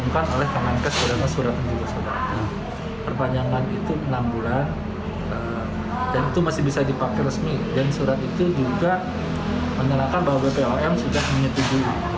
kepala dinas kesehatan majalengka harizal harahab